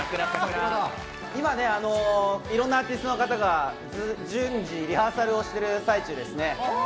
今ね、いろんなアーティストの方が順次リハーサルをしている最中ですね。